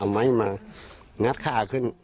เอาไม้มางัดค่าขึ้น